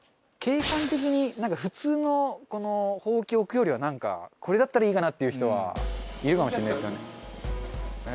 景観的に普通のほうきを置くよりはなんかこれだったらいいかなっていう人はいるかもしれないですよね。